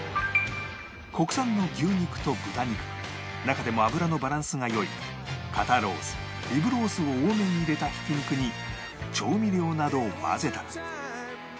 国産の牛肉と豚肉中でも脂のバランスが良い肩ロースリブロースを多めに入れたひき肉に調味料などを混ぜたら